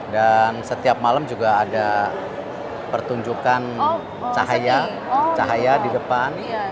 dan setiap malam juga ada pertunjukan cahaya cahaya di depan